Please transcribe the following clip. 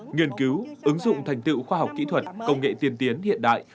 nghiên cứu ứng dụng thành tựu khoa học kỹ thuật công nghệ tiên tiến hiện đại